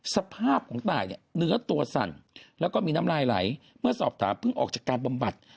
สภาพของตายเนี่ยเนื้อตัวสั่นแล้วก็มีน้ำลายไหลเมื่อสอบถามเพิ่งออกจากการบำบัด